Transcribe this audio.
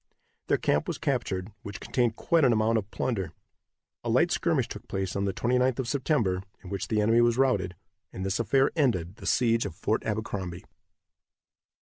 Their camp was captured, which contained quite an amount of plunder. A light skirmish took place on the 29th of September, in which the enemy was routed, and this affair ended the siege of Fort Abercrombie.